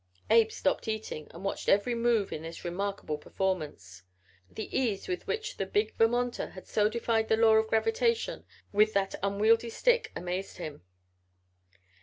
Abe stopped eating and watched every move in this remarkable performance. The ease with which the big Vermonter had so defied the law of gravitation with that unwieldly stick amazed him.